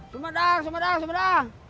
sumedang sumedang sumedang